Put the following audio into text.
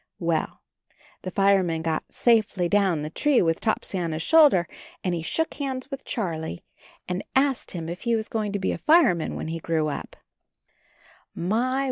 Well, the fireman got safely down the tree with Topsy on his shoulder, and he shook hands with Charlie and asked him if The fireman helps Topsy down the tree m A .